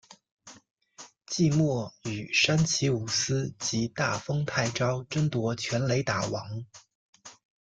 季末与山崎武司及大丰泰昭争夺全垒打王。